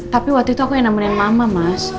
tapi waktu itu aku yang nemenin mama mas